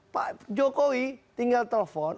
pak jokowi tinggal telepon